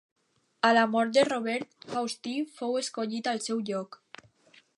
A la mort de Robert, Faustí fou escollit al seu lloc.